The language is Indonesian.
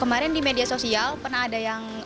kemarin di media sosial pernah ada yang repost juga